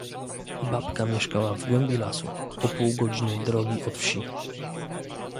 "Babka mieszkała w głębi lasu, o pół godziny drogi od wsi."